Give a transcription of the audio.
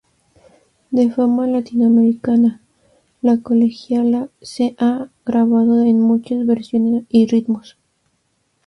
De fama latinoamericana, "La Colegiala" se ha grabado en muchas versiones y ritmos.